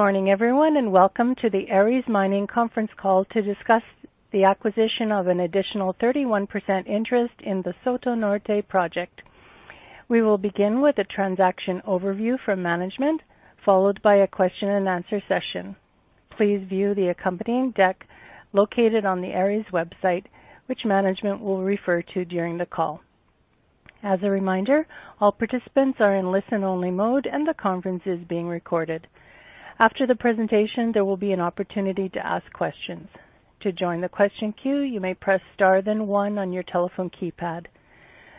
Good morning, everyone, and welcome to the Aris Mining conference call to discuss the acquisition of an additional 31% interest in the Soto Norte project. We will begin with a transaction overview from management, followed by a question and answer session. Please view the accompanying deck located on the Aris website, which management will refer to during the call. As a reminder, all participants are in listen-only mode and the conference is being recorded. After the presentation, there will be an opportunity to ask questions. To join the question queue, you may press Star, then one on your telephone keypad.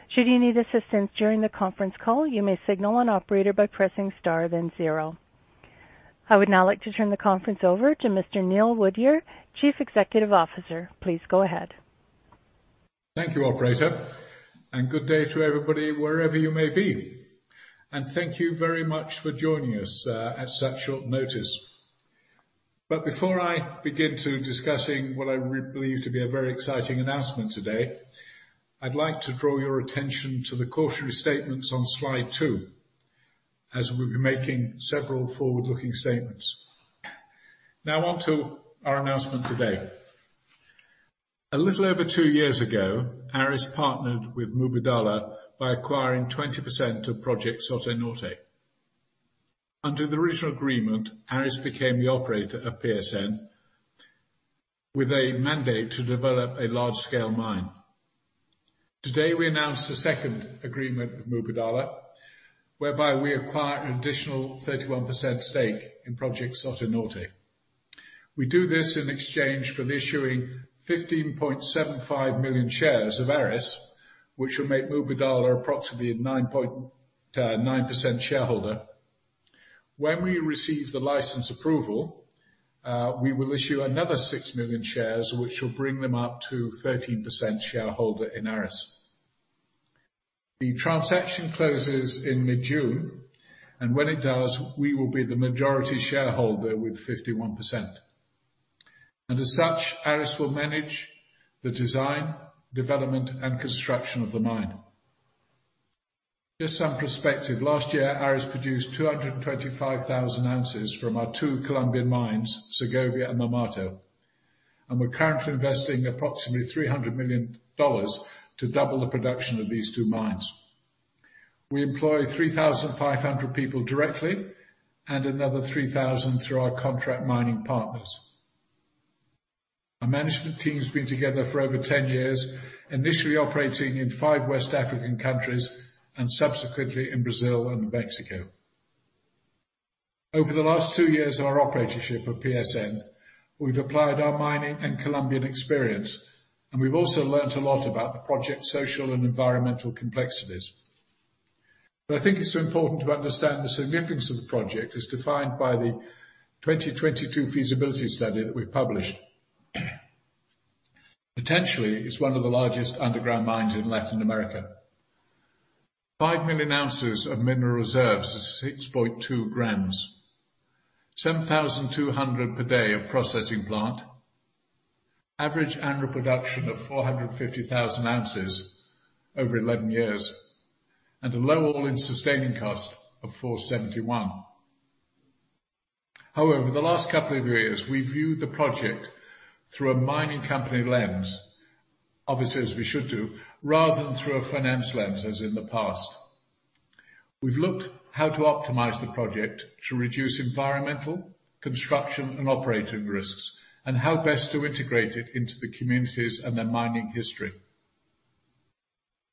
Should you need assistance during the conference call, you may signal an operator by pressing Star, then zero. I would now like to turn the conference over to Mr. Neil Woodyer, Chief Executive Officer. Please go ahead. Thank you, operator, and good day to everybody, wherever you may be. Thank you very much for joining us at such short notice. But before I begin to discuss what I believe to be a very exciting announcement today, I'd like to draw your attention to the cautionary statements on slide two, as we'll be making several forward-looking statements. Now on to our announcement today. A little over two years ago, Aris partnered with Mubadala by acquiring 20% of Project Soto Norte. Under the original agreement, Aris became the operator of PSN with a mandate to develop a large-scale mine. Today, we announced a second agreement with Mubadala, whereby we acquire an additional 31% stake in Project Soto Norte. We do this in exchange for issuing 15.75 million shares of Aris, which will make Mubadala approximately a 9.9% shareholder. When we receive the license approval, we will issue another 6 million shares, which will bring them up to 13% shareholder in Aris. The transaction closes in mid-June, and when it does, we will be the majority shareholder with 51%. And as such, Aris will manage the design, development, and construction of the mine. Just some perspective, last year, Aris produced 225,000 ounces from our two Colombian mines, Segovia and Marmato, and we're currently investing approximately $300 million to double the production of these two mines. We employ 3,500 people directly and another 3,000 through our contract mining partners. Our management team has been together for over 10 years, initially operating in five West African countries and subsequently in Brazil and Mexico. Over the last two years of our operatorship of PSN, we've applied our mining and Colombian experience, and we've also learned a lot about the project, social, and environmental complexities. But I think it's important to understand the significance of the project as defined by the 2022 feasibility study that we've published. Potentially, it's one of the largest underground mines in Latin America. 5 million ounces of mineral reserves is 6.2g, 7,200 tons per day of processing plant, average annual production of 450,000 ounces over 11 years, and a low all-in sustaining cost of $471. However, over the last couple of years, we've viewed the project through a mining company lens, obviously, as we should do, rather than through a finance lens, as in the past. We've looked how to optimize the project to reduce environmental, construction, and operating risks, and how best to integrate it into the communities and their mining history.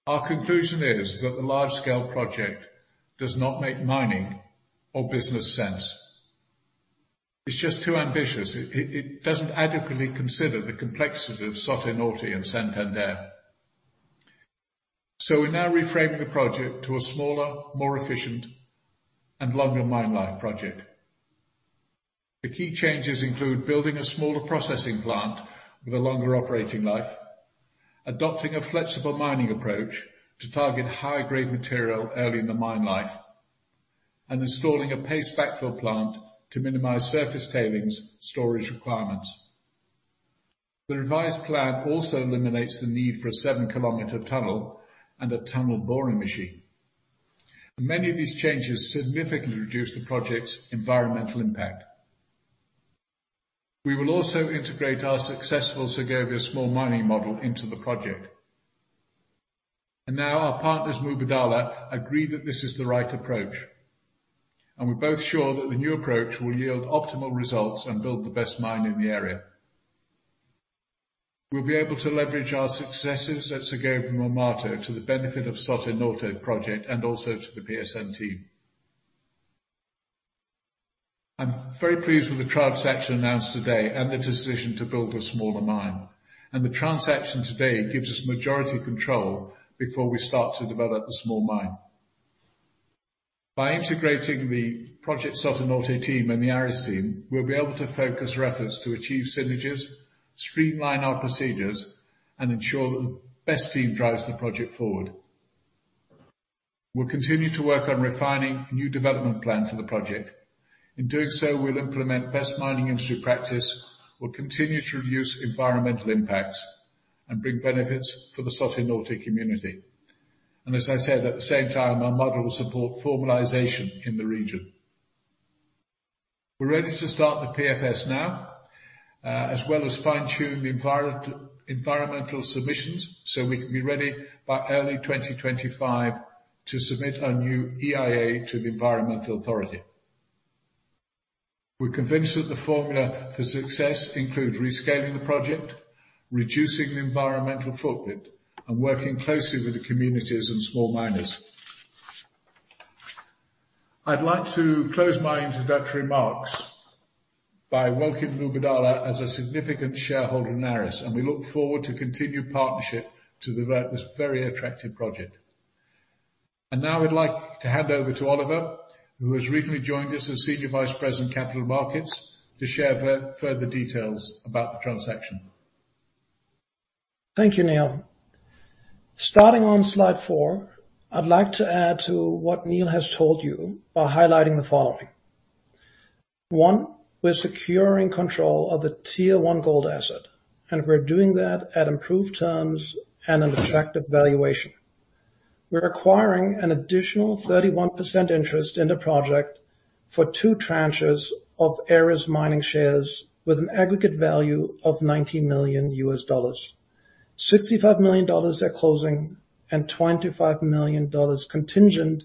Our conclusion is that the large-scale project does not make mining or business sense. It's just too ambitious. It doesn't adequately consider the complexities of Soto Norte and Santander. So we now reframe the project to a smaller, more efficient and longer mine life project. The key changes include building a smaller processing plant with a longer operating life, adopting a flexible mining approach to target high-grade material early in the mine life, and installing a paste backfill plant to minimize surface tailings storage requirements. The revised plan also eliminates the need for a 7km tunnel and a tunnel boring machine. Many of these changes significantly reduce the project's environmental impact. We will also integrate our successful Segovia small mining model into the project. Now our partners, Mubadala, agree that this is the right approach, and we're both sure that the new approach will yield optimal results and build the best mine in the area. We'll be able to leverage our successes at Segovia and Marmato to the benefit of Soto Norte project and also to the PSN team. I'm very pleased with the transaction announced today and the decision to build a smaller mine, and the transaction today gives us majority control before we start to develop the small mine. By integrating the Project Soto Norte team and the Aris team, we'll be able to focus our efforts to achieve synergies, streamline our procedures, and ensure that the best team drives the project forward. We'll continue to work on refining a new development plan for the project. In doing so, we'll implement best mining industry practice, we'll continue to reduce environmental impacts and bring benefits for the Soto Norte community. And as I said, at the same time, our model will support formalization in the region. We're ready to start the PFS now, as well as fine-tune the environmental submissions, so we can be ready by early 2025 to submit our new EIA to the environmental authority. We're convinced that the formula for success includes rescaling the project, reducing the environmental footprint, and working closely with the communities and small miners. I'd like to close my introductory remarks by welcoming Mubadala as a significant shareholder in Aris, and we look forward to continued partnership to develop this very attractive project. And now I'd like to hand over to Oliver, who has recently joined us as Senior Vice President, Capital Markets, to share further details about the transaction. Thank you, Neil. Starting on slide four, I'd like to add to what Neil has told you by highlighting the following: 1, we're securing control of the Tier One gold asset, and we're doing that at improved terms and an attractive valuation. We're acquiring an additional 31% interest in the project for two tranches of Aris Mining shares with an aggregate value of $19 million. $65 million at closing and $25 million contingent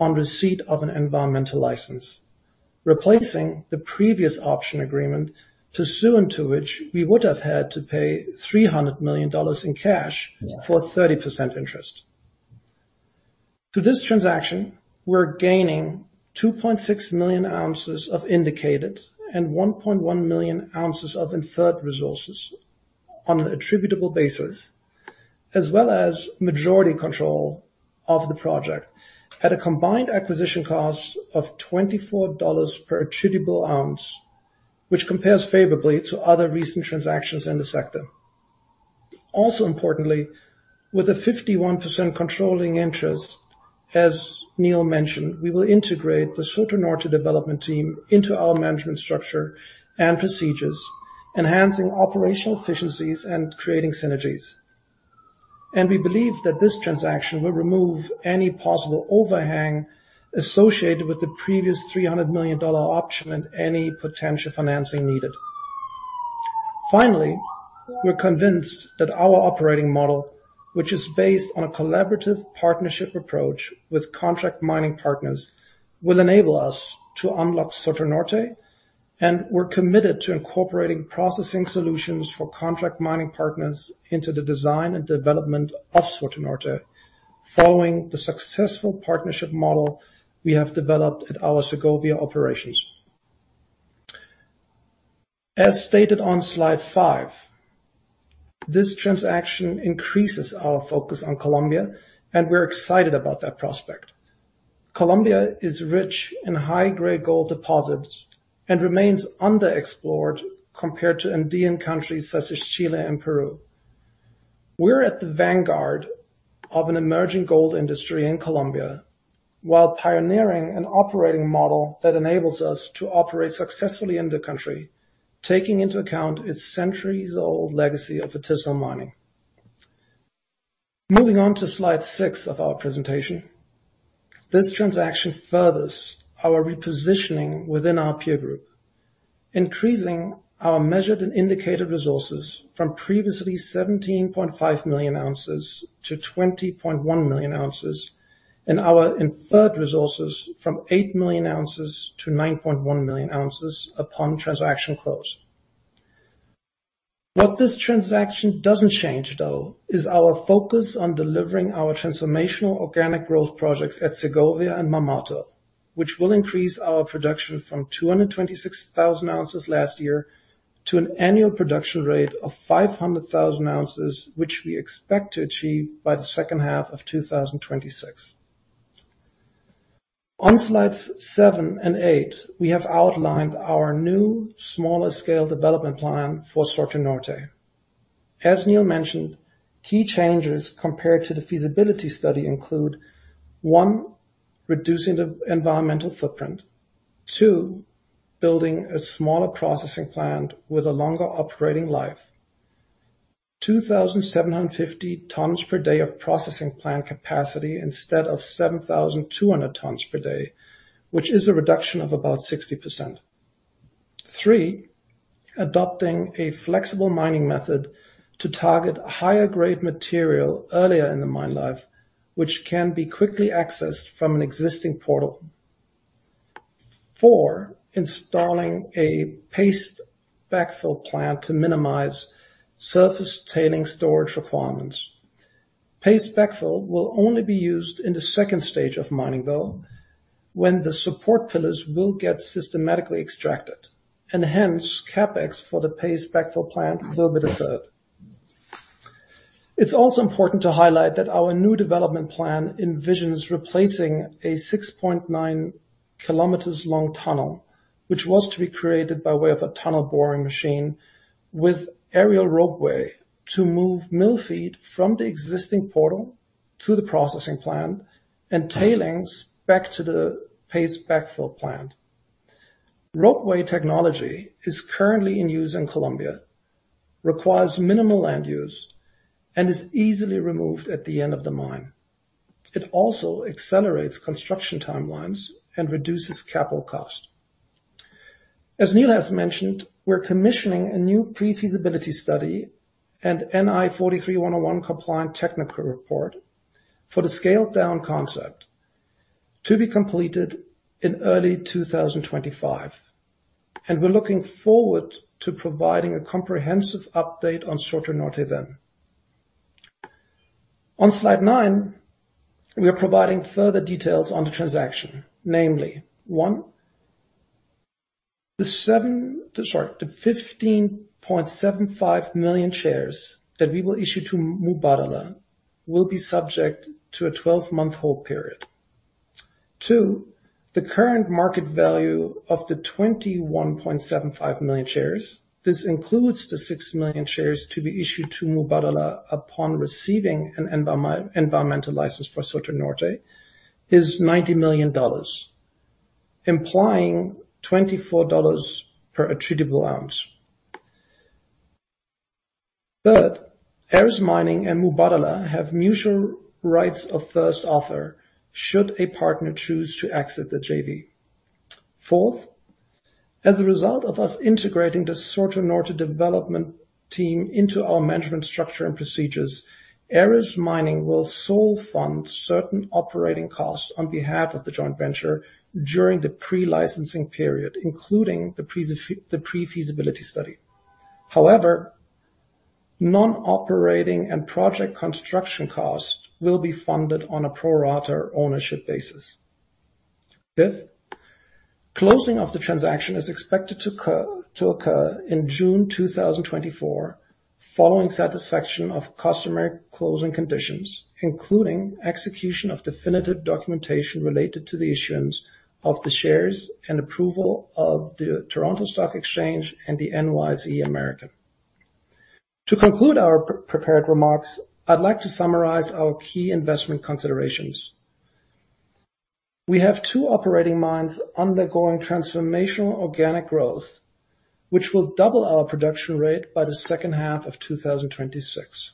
on receipt of an environmental license, replacing the previous option agreement, pursuant to which we would have had to pay $300 million in cash for a 30% interest. To this transaction, we're gaining 2.6 million ounces of indicated and 1.1 million ounces of inferred resources on an attributable basis, as well as majority control of the project at a combined acquisition cost of $24 per attributable ounce, which compares favorably to other recent transactions in the sector. Also importantly, with a 51% controlling interest, as Neil mentioned, we will integrate the Soto Norte development team into our management structure and procedures, enhancing operational efficiencies and creating synergies. And we believe that this transaction will remove any possible overhang associated with the previous $300 million option and any potential financing needed. Finally, we're convinced that our operating model, which is based on a collaborative partnership approach with contract mining partners, will enable us to unlock Soto Norte, and we're committed to incorporating processing solutions for contract mining partners into the design and development of Soto Norte, following the successful partnership model we have developed at our Segovia operations. As stated on slide five, this transaction increases our focus on Colombia, and we're excited about that prospect. Colombia is rich in high-grade gold deposits and remains underexplored compared to Andean countries such as Chile and Peru. We're at the vanguard of an emerging gold industry in Colombia, while pioneering an operating model that enables us to operate successfully in the country, taking into account its centuries-old legacy of artisanal mining. Moving on to slide six of our presentation. This transaction furthers our repositioning within our peer group, increasing our measured and indicated resources from previously 17.5 million ounces to 20.1 million ounces, and our inferred resources from 8 million ounces to 9.1 million ounces upon transaction close. What this transaction doesn't change, though, is our focus on delivering our transformational organic growth projects at Segovia and Marmato, which will increase our production from 226,000 ounces last year to an annual production rate of 500,000 ounces, which we expect to achieve by the second half of 2026. On slides seven and eight, we have outlined our new, smaller-scale development plan for Soto Norte. As Neil mentioned, key changes compared to the feasibility study include, one, reducing the environmental footprint. Two, building a smaller processing plant with a longer operating life. 2,750 tons per day of processing plant capacity instead of 7,200 tons per day, which is a reduction of about 60%. Three, adopting a flexible mining method to target higher-grade material earlier in the mine life, which can be quickly accessed from an existing portal. Four, installing a paste backfill plant to minimize surface tailing storage requirements. Paste backfill will only be used in the second stage of mining, though, when the support pillars will get systematically extracted, and hence, CapEx for the paste backfill plant will be deferred. It's also important to highlight that our new development plan envisions replacing a 6.9 km long tunnel, which was to be created by way of a tunnel boring machine, with aerial ropeway to move mill feed from the existing portal to the processing plant and tailings back to the paste backfill plant. Ropeway technology is currently in use in Colombia, requires minimal land use, and is easily removed at the end of the mine. It also accelerates construction timelines and reduces capital cost. As Neil has mentioned, we're commissioning a new pre-feasibility study and NI 43-101 compliant technical report for the scaled down concept to be completed in early 2025, and we're looking forward to providing a comprehensive update on Soto Norte then. On slide nine, we are providing further details on the transaction, namely, one, the 15.75 million shares that we will issue to Mubadala will be subject to a 12-month hold period. Two, the current market value of the 21.75 million shares, this includes the 6 million shares to be issued to Mubadala upon receiving an environmental license for Soto Norte, is $90 million, implying $24 per attributable ounce. Third, Aris Mining and Mubadala have mutual rights of first offer should a partner choose to exit the JV. Fourth, as a result of us integrating the Soto Norte development team into our management structure and procedures, Aris Mining will solely fund certain operating costs on behalf of the joint venture during the pre-licensing period, including the pre-feasibility study. However, non-operating and project construction costs will be funded on a pro rata ownership basis. Fifth, closing of the transaction is expected to occur in June 2024, following satisfaction of customary closing conditions, including execution of definitive documentation related to the issuance of the shares and approval of the Toronto Stock Exchange and the NYSE American. To conclude our prepared remarks, I'd like to summarize our key investment considerations. We have two operating mines undergoing transformational organic growth, which will double our production rate by the second half of 2026.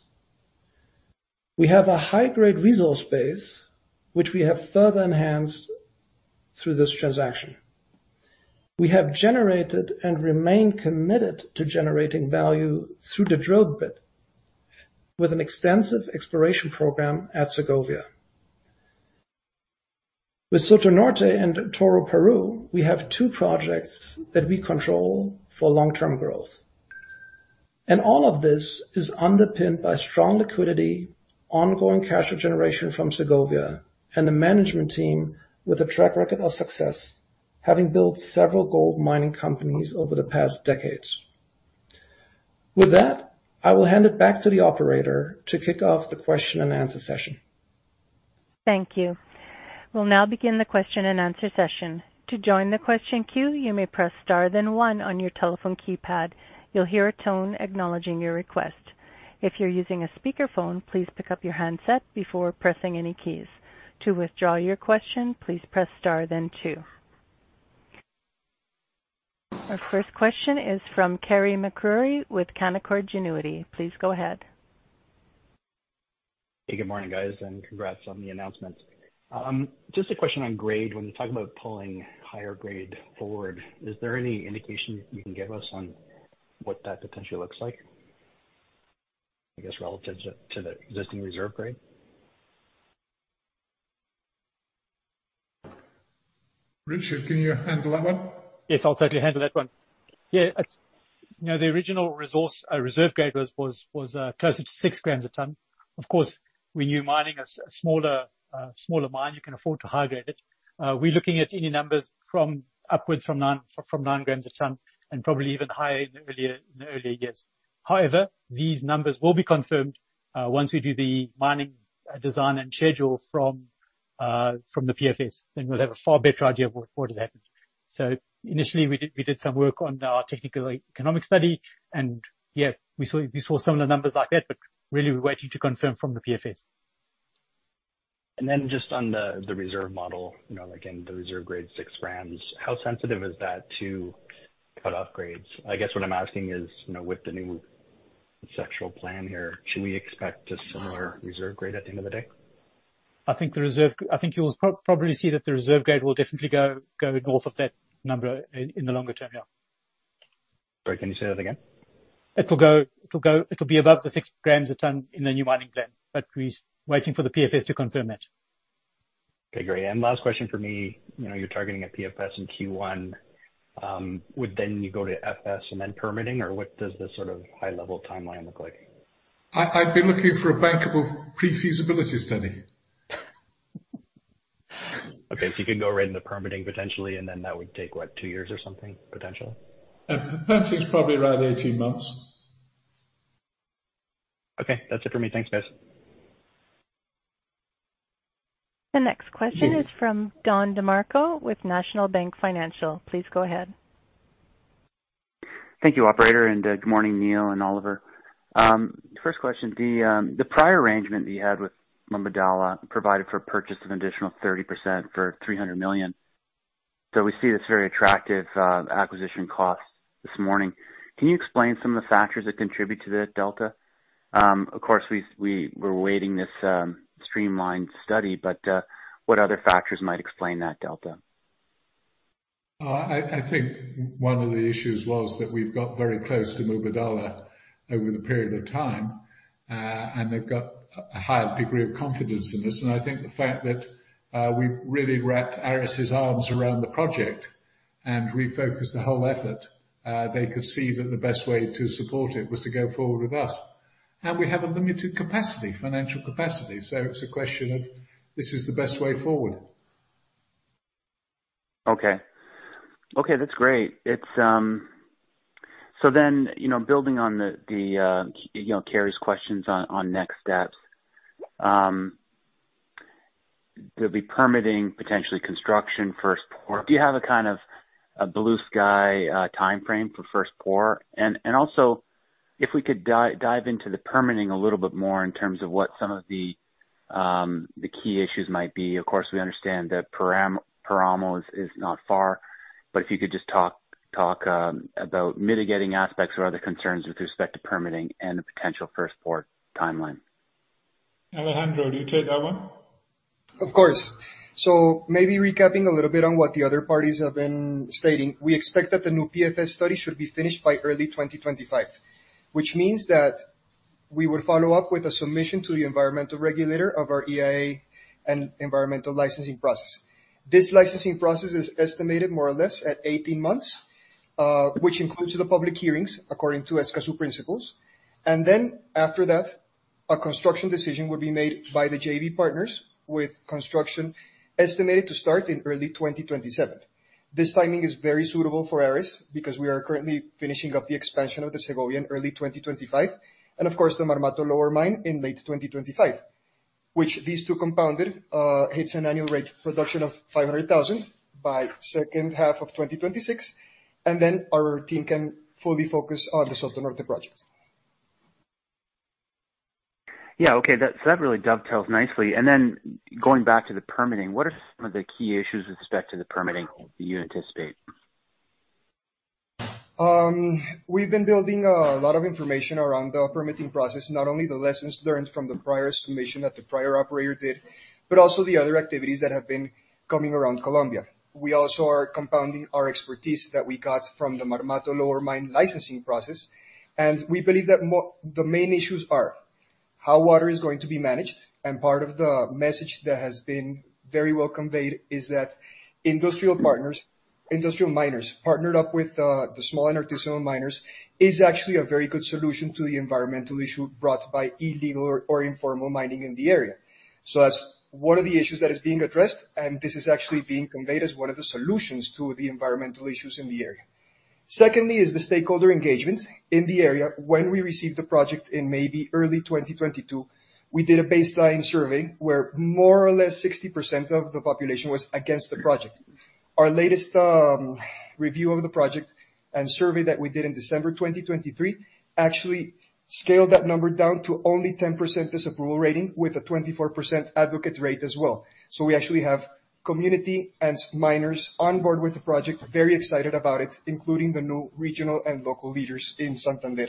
We have a high-grade resource base, which we have further enhanced through this transaction. We have generated and remain committed to generating value through the drill bit, with an extensive exploration program at Segovia. With Soto Norte and Toroparu, we have two projects that we control for long-term growth. All of this is underpinned by strong liquidity, ongoing cash flow generation from Segovia, and a management team with a track record of success, having built several gold mining companies over the past decades. With that, I will hand it back to the operator to kick off the question and answer session. Thank you. We'll now begin the question and answer session. To join the question queue, you may press star then one on your telephone keypad. You'll hear a tone acknowledging your request. If you're using a speakerphone, please pick up your handset before pressing any keys. To withdraw your question, please press star then two. Our first question is from Carey MacRury with Canaccord Genuity. Please go ahead. Hey, good morning, guys, and congrats on the announcement. Just a question on grade. When you talk about pulling higher grade forward, is there any indication you can give us on what that potentially looks like, I guess, relative to, to the existing reserve grade? Richard, can you handle that one? Yes, I'll totally handle that one. Yeah, it's, you know, the original resource reserve grade was closer to 6 grams a ton. Of course, when you're mining a smaller mine, you can afford to high-grade it. We're looking at any numbers from upwards from 9g, from 9g a ton, and probably even higher in the earlier years. However, these numbers will be confirmed once we do the mining design and schedule from the PFS, then we'll have a far better idea of what has happened. So initially, we did some work on our technical economic study, and yeah, we saw similar numbers like that, but really, we're waiting to confirm from the PFS. Just on the reserve model, you know, like in the reserve grade, 6g, how sensitive is that to cut-off grades? I guess what I'm asking is, you know, with the new sequential plan here, should we expect a similar reserve grade at the end of the day? I think the reserve, I think you'll probably see that the reserve grade will definitely go north of that number in the longer term, yeah. Sorry, can you say that again? It will go, it'll go, it'll be above the 6g a ton in the new mining plan, but we're waiting for the PFS to confirm that. Okay, great. And last question for me. You know, you're targeting a PFS in Q1. Would then you go to FS and then permitting, or what does the sort of high-level timeline look like? I'd be looking for a bankable pre-feasibility study. Okay. So you can go right into permitting, potentially, and then that would take, what, two years or something, potentially? Permitting is probably around 18 months. Okay. That's it for me. Thanks, guys. The next question is from Don DeMarco with National Bank Financial. Please go ahead. Thank you, operator, and good morning, Neil and Oliver. First question, the prior arrangement that you had with Mubadala provided for purchase of additional 30% for $300 million. So we see this very attractive acquisition cost this morning. Can you explain some of the factors that contribute to that delta? Of course, we, we're awaiting this streamlined study, but what other factors might explain that delta? I think one of the issues was that we've got very close to Mubadala over the period of time, and they've got a higher degree of confidence in this. And I think the fact that we've really wrapped Aris's arms around the project and refocused the whole effort, they could see that the best way to support it was to go forward with us. And we have a limited capacity, financial capacity, so it's a question of, this is the best way forward. Okay. Okay, that's great. It's... So then, you know, building on the, you know, Kerry's questions on next steps, there'll be permitting, potentially construction, first pour. Do you have a kind of a blue sky timeframe for first pour? And also, if we could dive into the permitting a little bit more in terms of what some of the key issues might be. Of course, we understand that páramo is not far, but if you could just talk about mitigating aspects or other concerns with respect to permitting and the potential first pour timeline. Alejandro, do you take that one? Of course. So maybe recapping a little bit on what the other parties have been stating. We expect that the new PFS study should be finished by early 2025, which means that we will follow up with a submission to the environmental regulator of our EIA and environmental licensing process. This licensing process is estimated more or less at 18 months, which includes the public hearings, according to Escazú principles. And then after that, a construction decision will be made by the JV partners, with construction estimated to start in early 2027. This timing is very suitable for Aris because we are currently finishing up the expansion of the Segovia in early 2025, and of course, the Marmato Lower Mine in late 2025, which these two compounded, hits an annual rate of production of 500,000 by second half of 2026, and then our team can fully focus on the Soto Norte project. Yeah, okay. That, that really dovetails nicely. And then going back to the permitting, what are some of the key issues with respect to the permitting, do you anticipate? We've been building a lot of information around the permitting process, not only the lessons learned from the prior estimation that the prior operator did, but also the other activities that have been coming around Colombia. We also are compounding our expertise that we got from the Marmato Lower Mine licensing process, and we believe that the main issues are: how water is going to be managed, and part of the message that has been very well conveyed is that industrial partners, industrial miners, partnered up with the small and artisanal miners, is actually a very good solution to the environmental issue brought by illegal or informal mining in the area. So that's one of the issues that is being addressed, and this is actually being conveyed as one of the solutions to the environmental issues in the area. Secondly, is the stakeholder engagement in the area. When we received the project in maybe early 2022, we did a baseline survey where more or less 60% of the population was against the project. Our latest, review of the project and survey that we did in December 2023 actually scaled that number down to only 10% disapproval rating, with a 24% advocate rate as well. So we actually have community and miners on board with the project, very excited about it, including the new regional and local leaders in Santander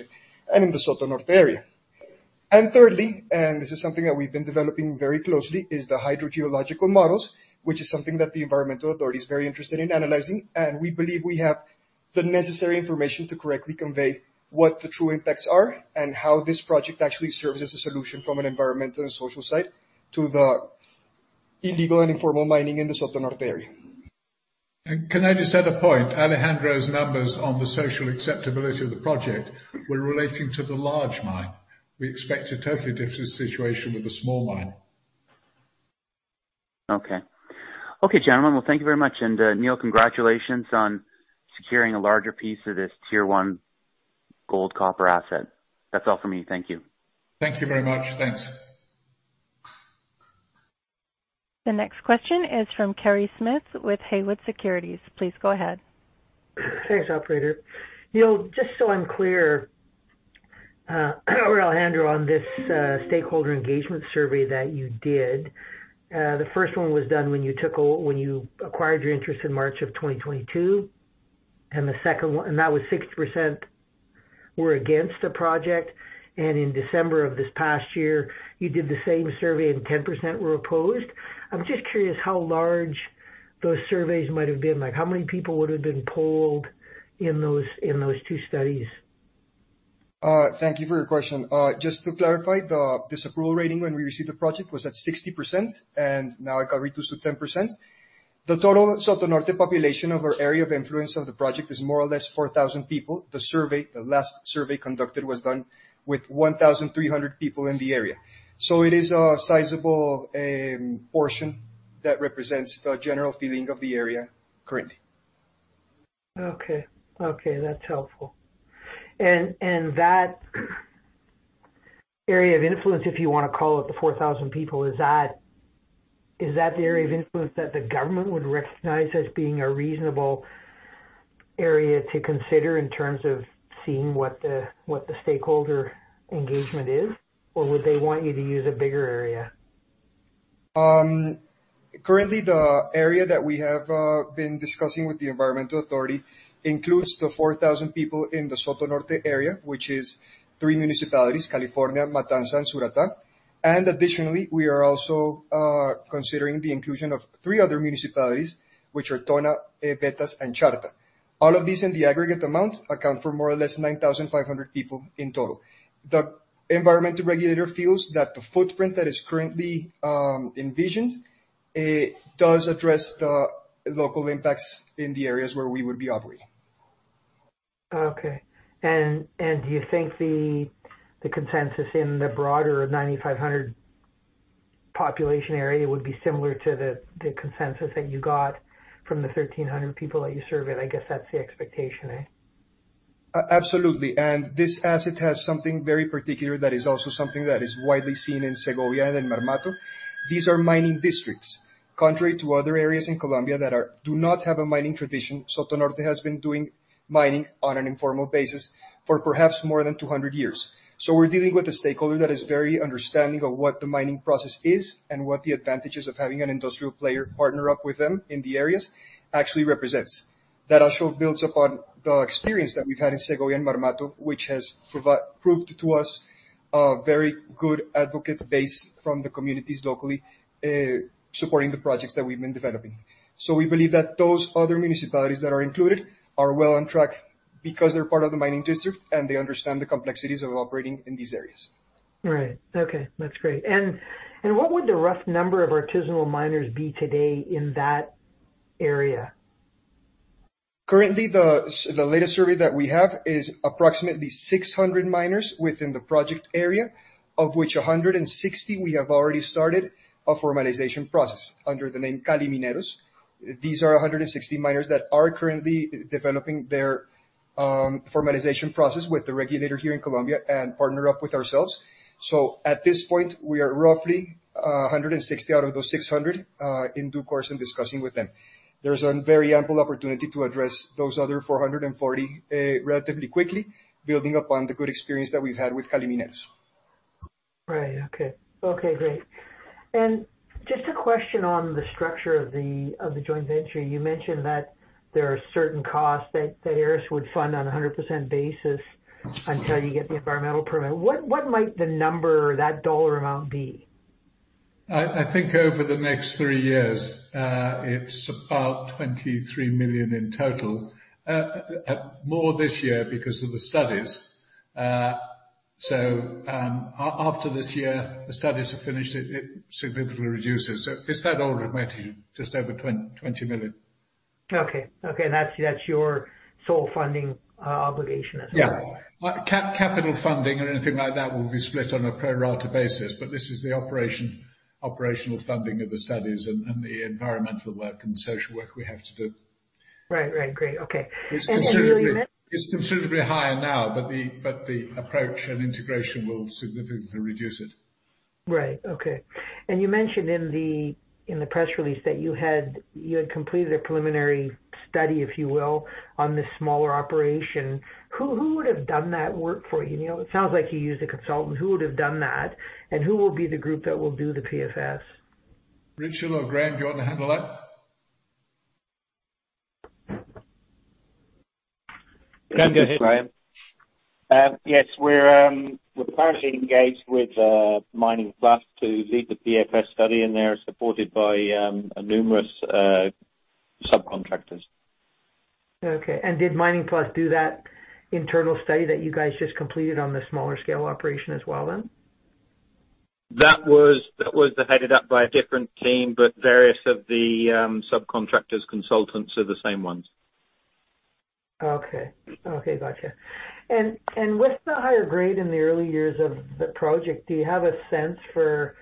and in the Soto Norte area. And thirdly, and this is something that we've been developing very closely, is the hydrogeological models, which is something that the environmental authority is very interested in analyzing, and we believe we have the necessary information to correctly convey what the true impacts are and how this project actually serves as a solution from an environmental and social side to the illegal and informal mining in the Soto Norte area. Can I just add a point? Alejandro's numbers on the social acceptability of the project were relating to the large mine. We expect a totally different situation with the small mine. Okay. Okay, gentlemen. Well, thank you very much. And, Neil, congratulations on securing a larger piece of this tier one gold, copper asset. That's all for me. Thank you. Thank you very much. Thanks. The next question is from Kerry Smith with Haywood Securities. Please go ahead. Thanks, operator. Neil, just so I'm clear, Alejandro, on this, stakeholder engagement survey that you did, the first one was done when you acquired your interest in March 2022, and the second one. That was 60% were against the project. In December of this past year, you did the same survey and 10% were opposed. I'm just curious how large those surveys might have been. Like, how many people would have been polled in those two studies? Thank you for your question. Just to clarify, the disapproval rating when we received the project was at 60%, and now it got reduced to 10%. The total Soto Norte population of our area of influence of the project is more or less 4,000 people. The survey, the last survey conducted was done with 1,300 people in the area. So it is a sizable portion that represents the general feeling of the area currently. Okay. Okay, that's helpful. And that area of influence, if you want to call it, the 4,000 people, is that, is that the area of influence that the government would recognize as being a reasonable area to consider in terms of seeing what the, what the stakeholder engagement is? Or would they want you to use a bigger area? Currently, the area that we have been discussing with the environmental authority includes the 4,000 people in the Soto Norte area, which is three municipalities: California, Matanza, and Suratá. And additionally, we are also considering the inclusion of three other municipalities, which are Tona, Vetas, and Charta. All of these in the aggregate amount account for more or less 9,500 people in total. The environmental regulator feels that the footprint that is currently envisioned does address the local impacts in the areas where we would be operating. Okay. And do you think the consensus in the broader 9,500 population area would be similar to the consensus that you got from the 1,300 people that you surveyed? I guess that's the expectation, eh? Absolutely. And this asset has something very particular that is also something that is widely seen in Segovia and Marmato. These are mining districts. Contrary to other areas in Colombia that do not have a mining tradition, Soto Norte has been doing mining on an informal basis for perhaps more than 200 years. So we're dealing with a stakeholder that is very understanding of what the mining process is, and what the advantages of having an industrial player partner up with them in the areas actually represents. That also builds upon the experience that we've had in Segovia and Marmato, which has proved to us a very good advocate base from the communities locally, supporting the projects that we've been developing. We believe that those other municipalities that are included are well on track because they're part of the mining district, and they understand the complexities of operating in these areas. Right. Okay, that's great. And, and what would the rough number of artisanal miners be today in that area? Currently, the latest survey that we have is approximately 600 miners within the project area, of which 160, we have already started a formalization process under the name Calimineros. These are 160 miners that are currently developing their formalization process with the regulator here in Colombia and partner up with ourselves. So at this point, we are roughly 160 out of those 600 in due course in discussing with them. There's a very ample opportunity to address those other 440 relatively quickly, building upon the good experience that we've had with Calimineros. Right. Okay, great. And just a question on the structure of the joint venture. You mentioned that there are certain costs that Aris would fund on a 100% basis until you get the environmental permit. What might the number, that dollar amount be? I think over the next three years, it's about $23 million in total. More this year because of the studies. So after this year, the studies are finished, it significantly reduces. So it's that order of magnitude, just over $20 million. Okay. Okay, and that's, that's your sole funding obligation as well? Yeah. Capital funding or anything like that will be split on a pro rata basis, but this is the operational funding of the studies and the environmental work and social work we have to do. Right. Right. Great, okay. It's considerably- You mentioned- It's considerably higher now, but the approach and integration will significantly reduce it. Right. Okay. And you mentioned in the press release that you had completed a preliminary study, if you will, on this smaller operation. Who would have done that work for you, Neil? It sounds like you used a consultant. Who would have done that, and who will be the group that will do the PFS? Richard or Graham, do you want to handle that? Graham, go ahead. Yes, we're currently engaged with Mining Plus to lead the PFS study, and they're supported by numerous subcontractors. Okay. And did Mining Plus do that internal study that you guys just completed on the smaller scale operation as well, then? That was, that was headed up by a different team, but various of the subcontractors, consultants are the same ones. Okay. Okay, gotcha. And with the higher grade in the early years of the project, do you have a sense for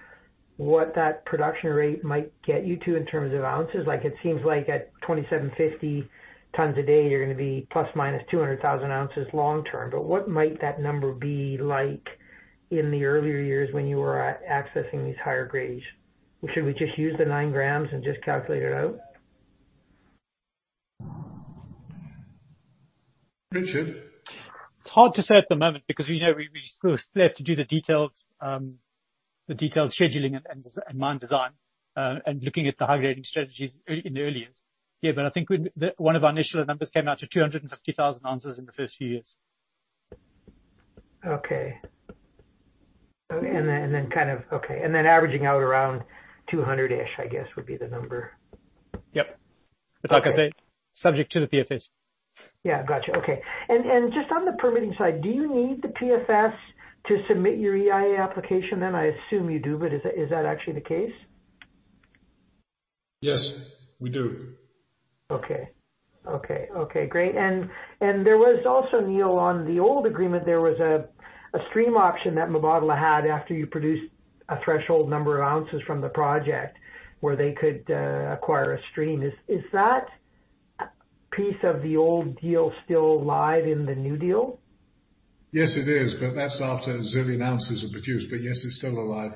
what that production rate might get you to in terms of ounces? Like, it seems like at 2,750 tons a day, you're gonna be ±200,000 ounces long term. But what might that number be like in the earlier years when you were accessing these higher grades? Or should we just use the 9 grams and just calculate it out? Richard? It's hard to say at the moment because, you know, we still have to do the detailed scheduling and mine design, and looking at the high-grading strategies in the early years. Yeah, but I think we... The, one of our initial numbers came out to 250,000 ounces in the first few years. Okay. And then kind of averaging out around 200-ish, I guess, would be the number. Yep. Okay. But like I say, subject to the PFS. Yeah, gotcha. Okay. And, and just on the permitting side, do you need the PFS to submit your EIA application then? I assume you do, but is that, is that actually the case? Yes, we do. Okay. Okay, okay, great. And there was also, Neil, on the old agreement, there was a stream option that Mubadala had after you produced a threshold number of ounces from the project, where they could acquire a stream. Is that piece of the old deal still live in the new deal? Yes, it is, but that's after zillion ounces are produced. Yes, it's still alive.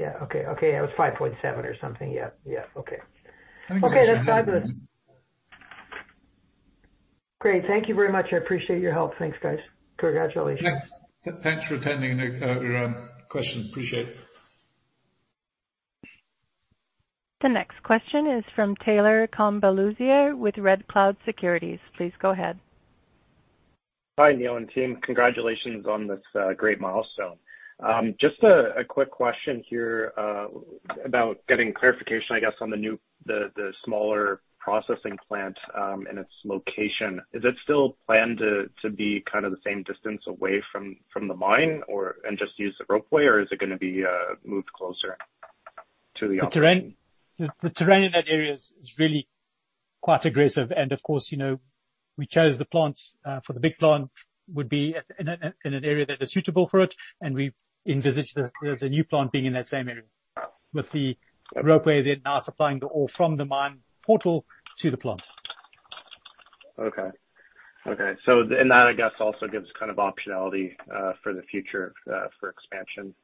Yeah. Okay. Okay, it was 5.7 or something. Yeah. Yeah. Okay. Okay, that's fabulous. Great. Thank you very much. I appreciate your help. Thanks, guys. Congratulations. Yeah. Thanks for attending, and your questions. Appreciate it. The next question is from Taylor Combaluzier with Red Cloud Securities. Please go ahead. Hi, Neil and team. Congratulations on this great milestone. Just a quick question here about getting clarification, I guess, on the smaller processing plant and its location. Is it still planned to be kind of the same distance away from the mine, and just use the ropeway? Or is it gonna be moved closer to the operation? The terrain in that area is really quite aggressive. Of course, you know, we chose the plant for the big plant would be at in an area that is suitable for it, and we envisage the new plant being in that same area, with the ropeway then now supplying the ore from the mine portal to the plant. Okay. Okay. So, and that, I guess, also gives kind of optionality for the future for expansion.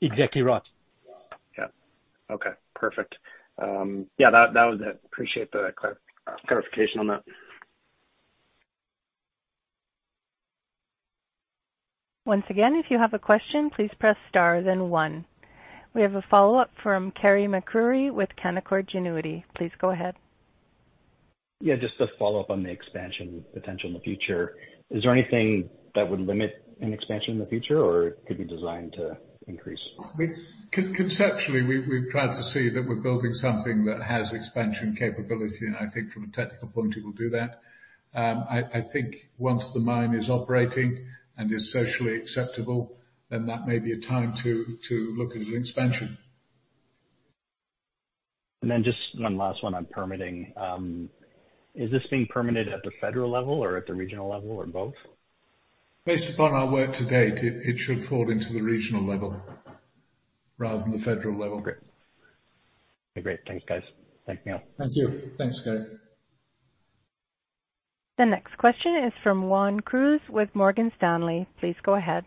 Exactly right. Yeah. Okay, perfect. Yeah, that was it. Appreciate the clarification on that. Once again, if you have a question, please press star then one. We have a follow-up from Carey MacRury with Canaccord Genuity. Please go ahead. Yeah, just to follow up on the expansion potential in the future, is there anything that would limit an expansion in the future or could be designed to increase? Conceptually, we've tried to see that we're building something that has expansion capability, and I think from a technical point, it will do that. I think once the mine is operating and is socially acceptable, then that may be a time to look at an expansion. Just one last one on permitting. Is this being permitted at the federal level or at the regional level, or both? Based upon our work to date, it should fall into the regional level rather than the federal level. Okay. Great. Thanks, guys. Thanks, Neil. Thank you. Thanks, Kerry. The next question is from Juan Cruz with Morgan Stanley. Please go ahead.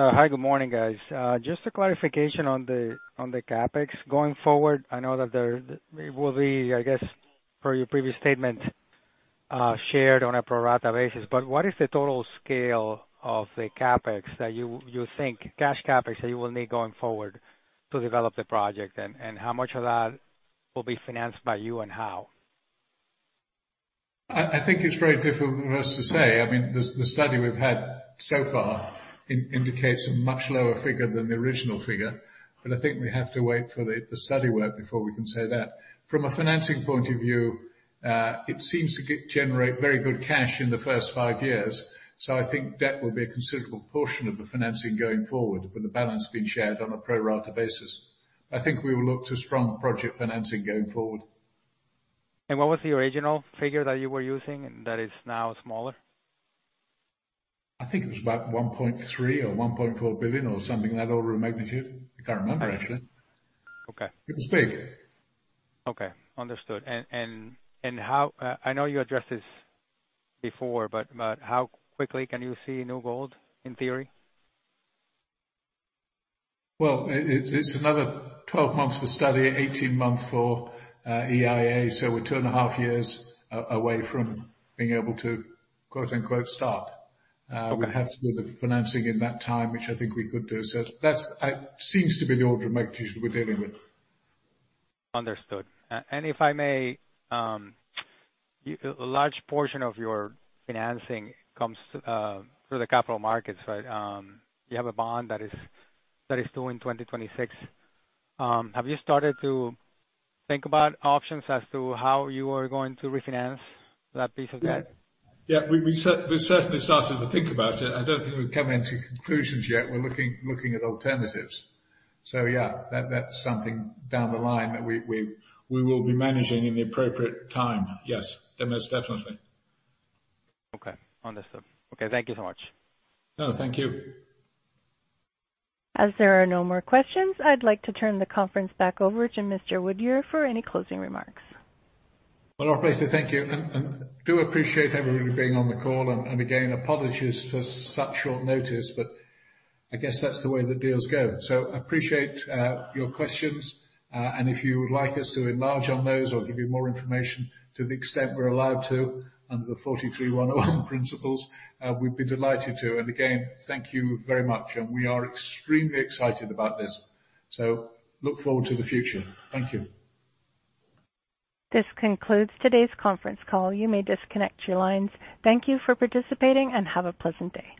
Hi, good morning, guys. Just a clarification on the CapEx. Going forward, I know that there will be, I guess, per your previous statement, shared on a pro rata basis, but what is the total scale of the CapEx that you think, cash CapEx, that you will need going forward to develop the project? And how much of that will be financed by you, and how? I think it's very difficult for us to say. I mean, the study we've had so far indicates a much lower figure than the original figure, but I think we have to wait for the study work before we can say that. From a financing point of view, it seems to generate very good cash in the first five years, so I think debt will be a considerable portion of the financing going forward, with the balance being shared on a pro rata basis. I think we will look to strong project financing going forward. What was the original figure that you were using that is now smaller? I think it was about $1.3 billion-$1.4 billion or something in that order of magnitude. I can't remember, actually. Okay. It was big. Okay. Understood. And how... I know you addressed this before, but how quickly can you see new gold, in theory? Well, it's another 12 months for study, 18 months for EIA, so we're 2.5 years away from being able to, quote-unquote, start. Okay. We'd have to do the financing in that time, which I think we could do so. That seems to be the order of magnitude that we're dealing with. Understood. And if I may, a large portion of your financing comes through the capital markets, right? You have a bond that is due in 2026. Have you started to think about options as to how you are going to refinance that piece of debt? Yeah, we certainly started to think about it. I don't think we've come to conclusions yet. We're looking at alternatives. So yeah, that's something down the line that we will be managing at the appropriate time. Yes, most definitely. Okay, understood. Okay, thank you so much. No, thank you. As there are no more questions, I'd like to turn the conference back over to Mr. Woodyer for any closing remarks. Well, operator, thank you. And do appreciate everybody being on the call. And again, apologies for such short notice, but I guess that's the way that deals go. So appreciate your questions, and if you would like us to enlarge on those or give you more information to the extent we're allowed to, under the 43-101 principles, we'd be delighted to. And again, thank you very much, and we are extremely excited about this. So look forward to the future. Thank you. This concludes today's conference call. You may disconnect your lines. Thank you for participating, and have a pleasant day.